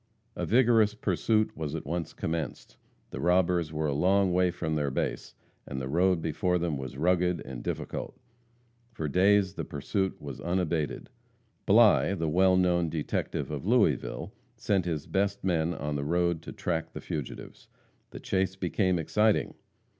A vigorous pursuit was at once commenced. The robbers were a long way from their base; and the road before them was rugged and difficult. For days the pursuit was unabated. Bligh, the well known detective of Louisville, sent his best men on the road to track the fugitives. The chase became exciting.